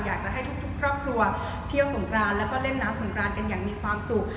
อยากจะให้ทุกครอบครัวเที่ยวสงกรานแล้วก็เล่นน้ำสงกรานกันอย่างมีความสุข